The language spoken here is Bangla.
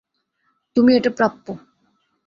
তুমি এটা প্রাপ্য।